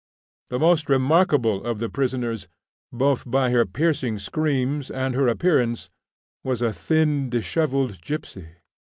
The most remarkable of the prisoners, both by her piercing screams and her appearance, was a thin, dishevelled gipsy.